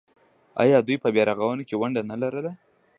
آیا دوی په بیارغونه کې ونډه نلره؟